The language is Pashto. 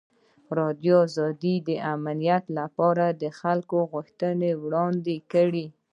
ازادي راډیو د امنیت لپاره د خلکو غوښتنې وړاندې کړي.